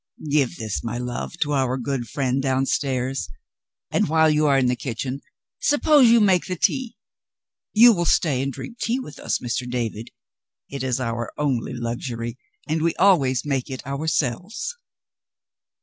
"Give that, my love, to our good friend downstairs and, while you are in the kitchen, suppose you make the tea. You will stay and drink tea with us, Mr. David? It is our only luxury, and we always make it ourselves."